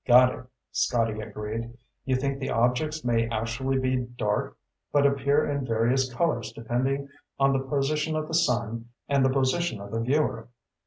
"Got it," Scotty agreed. "You think the objects may actually be dark, but appear in various colors depending on the position of the sun and the position of the viewer."